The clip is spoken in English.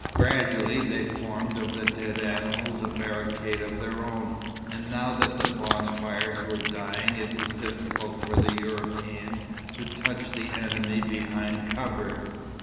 Gradually they formed of the dead animals a barricade of their own, and now that the bonfires were dying it was difficult for the Europeans to touch the enemy behind cover.